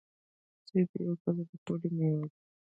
سيب يوه په زړه پوري ميوه ده